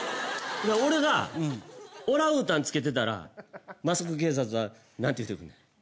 俺がオランウータンつけてたらマスク警察は何て言ってくるかな？